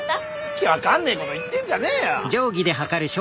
訳分かんねえこと言ってんじゃねえよ！